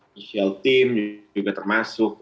tim spesial juga termasuk